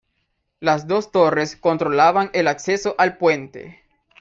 Las dos torres controlaban el acceso al puente.